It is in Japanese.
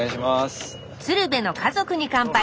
「鶴瓶の家族に乾杯」